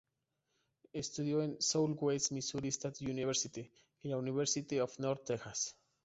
Estudió en la Southwest Missouri State University, y la University of North Texas.